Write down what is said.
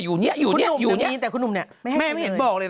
อยู่นี่แต่คุณหนุ่มเนี่ย